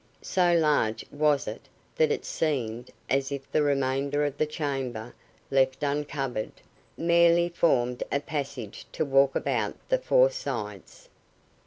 So large was it that it seemed as if the remainder of the chamber, left uncovered, merely formed a passage to walk about the four sides.